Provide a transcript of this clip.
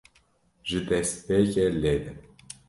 Ji destpêkê lêde.